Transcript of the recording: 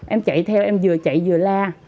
em chạy theo em vừa chạy vừa la